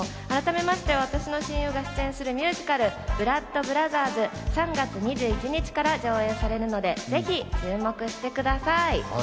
改めまして私の親友が出演するミュージカル『ブラッド・ブラザーズ』は３月２１日から上演されるので、ぜひ注目してください。